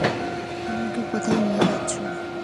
আমাকে কোথায় নিয়ে যাচ্ছ?